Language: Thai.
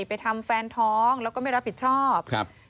ไปทำแฟนท้องแล้วก็ไม่รับผิดชอบครับ